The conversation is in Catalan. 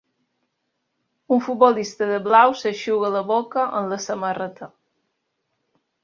Un futbolista de blau s'eixuga la boca amb la samarreta.